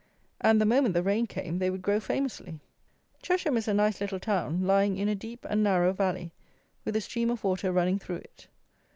And, the moment the rain came, they would grow famously. Chesham is a nice little town, lying in a deep and narrow valley, with a stream of water running through it.